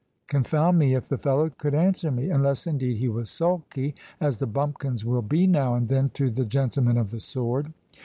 _—confound me if the fellow could answer me, unless, indeed, he was sulky, as the bumpkins will be now and then to the gentlemen of the sword."